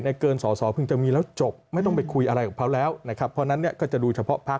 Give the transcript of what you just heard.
ในเกินส่อพึ่งจะมีแล้วจบ